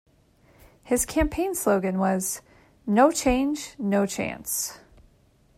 His campaign slogan was "No change, no chance".